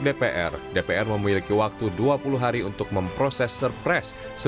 sujiwara menggambarkan orang negara ini ini memiliki waktu dua puluh hari untuk memproses provincial hauptpering successful appraisal